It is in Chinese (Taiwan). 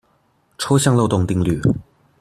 抽象漏洞定律